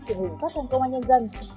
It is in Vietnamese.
truyền hình phát thanh công an nhân dân